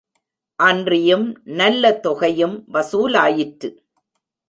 அன்றியும் நல்ல தொகையும் வசூலாயிற்று.